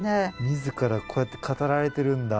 自らこうやって語られてるんだ。